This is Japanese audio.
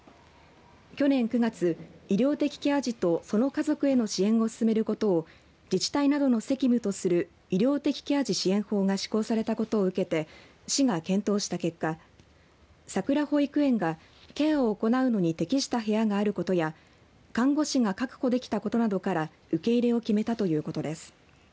去年９月、医療的ケア児とその家族への支援を進めることを自治体などの責務とする医療的ケア児支援法が施行されたことを受けて市が検討した結果さくら保育園がケアを行うのに適した部屋があることや看護師が確保できたことなどから受け入れを決めたということです。